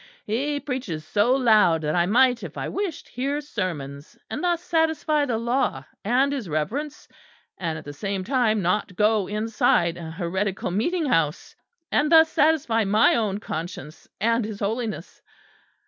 He preaches so loud that I might, if I wished, hear sermons, and thus satisfy the law and his Reverence; and at the same time not go inside an heretical meeting house, and thus satisfy my own conscience and His Holiness.